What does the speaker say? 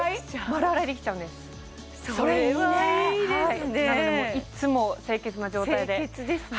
丸洗いできちゃうんですそれはいいですねなのでもういつも清潔な状態で清潔ですね